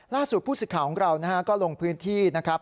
ล่าสุดผู้สิทธิ์ข่าวของเราก็ลงพื้นที่นะครับ